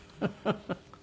フフフ。